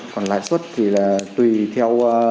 còn lãi suất thì là tùy theo